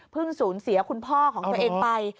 เพิ่งศูนย์เสียคุณพ่อของตัวเองไป